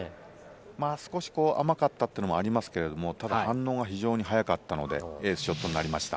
少し甘かったというのもありますけど、非常に速かったのでエースショットになりました。